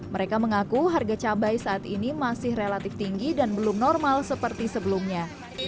mereka mengaku harga cabai saat ini masih relatif tinggi dan belum normal seperti sebelumnya